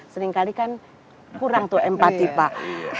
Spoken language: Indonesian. seringkali kan kurang tuh empati pak